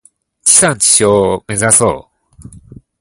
地産地消を目指そう。